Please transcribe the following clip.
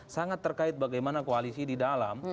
sangat terkait bagaimana koalisi di dalam